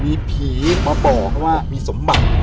มีผีมาบอกเขาว่ามีสมบัติ